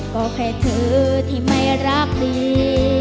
ก็แค่เธอที่ไม่รักดี